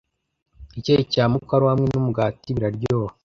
Icyayi cya mukaru hamwe numugati biraryoha